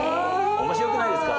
おもしろくないですか？